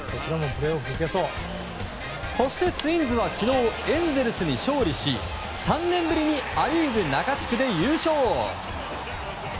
そしてツインズは昨日エンゼルスに勝利し３年ぶりにア・リーグ中地区で優勝。